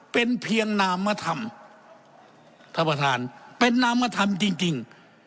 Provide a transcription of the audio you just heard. เป็นเพียงนามธรรมท่านประธานเป็นนามธรรมจริงจริง